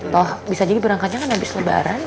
toh bisa jadi berangkatnya kan abis lebaran ya